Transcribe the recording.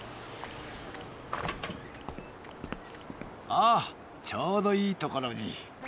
あっちょうどいいところに。